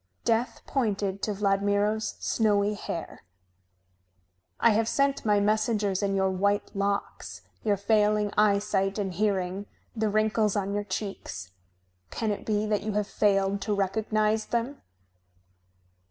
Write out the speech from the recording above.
Death pointed to Vladmiro's snowy hair. "I have sent my messengers in your white locks, your failing eyesight and hearing, the wrinkles on your cheeks. Can it be that you have failed to recognize them?"